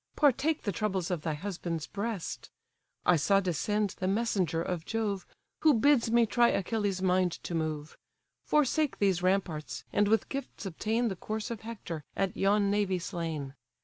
Partake the troubles of thy husband's breast: I saw descend the messenger of Jove, Who bids me try Achilles' mind to move; Forsake these ramparts, and with gifts obtain The corse of Hector, at yon navy slain.